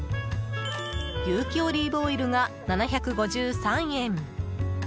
有機オリーブオイルが７５３円。